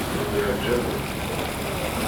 Myerjament.